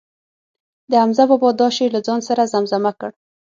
د حمزه بابا دا شعر له ځان سره زمزمه کړ.